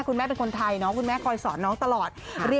คุณแม่เป็นคนไทยคุณแม่คอยสอนตลอด